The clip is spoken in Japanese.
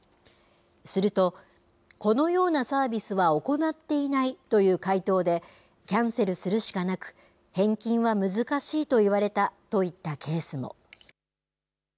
すると、このようなサービスは行っていないという回答で、キャンセルするしかなく、返金は難しいと言われたといったケースも。